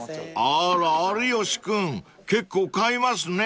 ［あら有吉君結構買いますね］